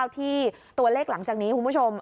ที่ตัวเลขหลังจากนี้คุณผู้ชม